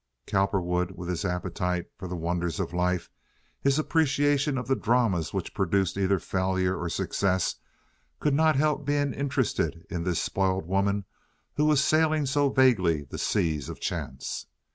Cowperwood, with his appetite for the wonders of life, his appreciation of the dramas which produce either failure or success, could not help being interested in this spoiled woman who was sailing so vaguely the seas of chance.